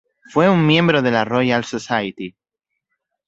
Fue un miembro de la Royal Society.